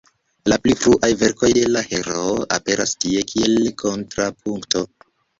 La pli fruaj verkoj de la heroo aperas tie kiel kontrapunkto.